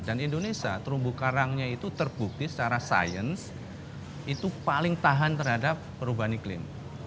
indonesia terumbu karangnya itu terbukti secara sains itu paling tahan terhadap perubahan iklim